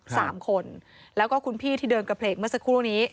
สามคนแล้วก็คุณพี่ที่เดินกระเพลกเมื่อสักครู่นี้